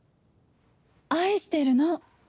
愛しているの。